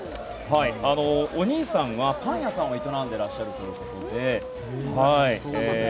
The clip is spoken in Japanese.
お兄さんがパン屋さんを営んでいらっしゃるということで。